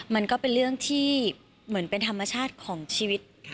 มันก็เป็นเรื่องที่เหมือนเป็นธรรมชาติของชีวิต